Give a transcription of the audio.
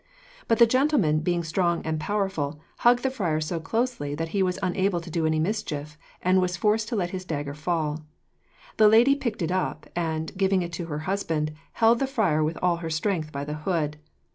But the gentleman being strong and powerful, hugged the friar so closely that he was unable to do any mischief, and was forced to let his dagger fall. The lady picked it up, and, giving it to her husband, held the friar with all her strength by the hood.